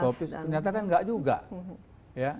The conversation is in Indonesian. ternyata kan enggak juga